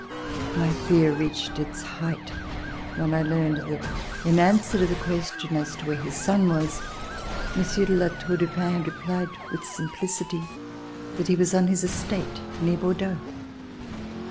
My fear reached its height when I learned that in answer to the question as to where his son was. Monsieur de La Tour du Pin had replied with simplicity that he was on his estate, near Bordeaux.